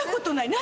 何？